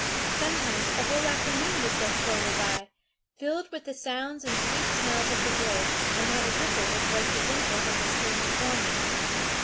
Sometimes a whole afternoon would go slowly by, filled with the sounds and sweet smells of the woods, and not a ripple would break the dimples of the stream before me.